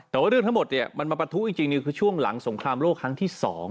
แต่ว่าเรื่องทั้งหมดเนี่ยมันมาประทุจริงคือช่วงหลังสงครามโลกครั้งที่๒